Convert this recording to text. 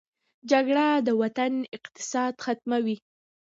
جګړه د وطن اقتصاد ختموي